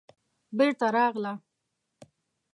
بېرته راغله.